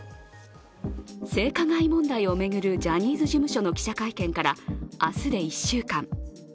性加害問題を巡るジャニーズ事務所の記者会見から明日で１週間。